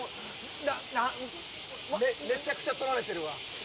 めちゃくちゃ撮られてるわ。